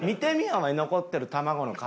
お前残ってる卵の数。